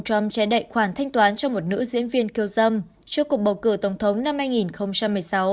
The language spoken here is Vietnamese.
trump trẻ đậy khoản thanh toán cho một nữ diễn viên kiêu dâm trước cuộc bầu cử tổng thống năm